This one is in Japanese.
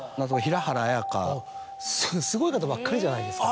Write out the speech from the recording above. すごい方ばっかりじゃないですか。